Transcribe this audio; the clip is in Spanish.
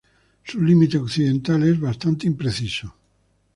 Su límite occidental es bastante impreciso.